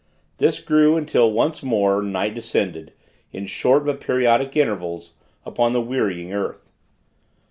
This grew until, once more, night descended, in short, but periodic, intervals upon the wearying earth.